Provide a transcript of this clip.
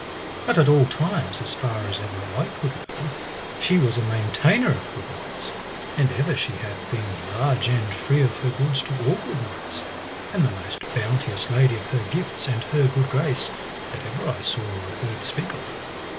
But at all times as far as ever I could know she was a maintainer of good knights; and ever she hath been large and free of her goods to all good knights, and the most bounteous lady of her gifts and her good grace, that ever I saw or heard speak of.